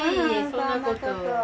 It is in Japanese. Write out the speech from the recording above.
そんなことは。